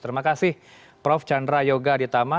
terima kasih prof chandra yoga aditama